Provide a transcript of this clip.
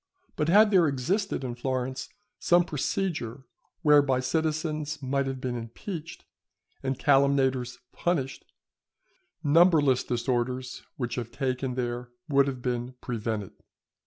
But had there existed in Florence some procedure whereby citizens might have been impeached, and calumniators punished, numberless disorders which have taken there would have been prevented.